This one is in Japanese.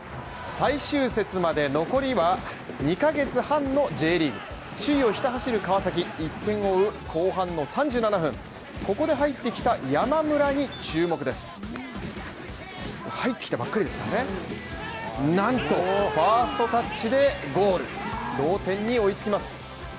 最終節まで残りは２カ月半のＪリーグ首位をひた走る川崎、１点を追う後半の３７分、なんとファ−ストタッチでゴール、同点に追いつきます。